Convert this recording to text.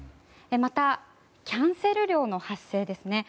またキャンセル料の発生ですね。